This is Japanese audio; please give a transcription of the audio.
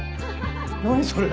何それ？